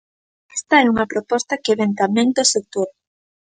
Esta é unha proposta que vén tamén do sector.